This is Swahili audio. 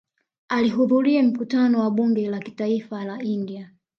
Alihudhuria mkutano wa Bunge la Kitaifa la India